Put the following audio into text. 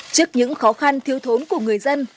trước những khó khăn thiếu thốn của người dân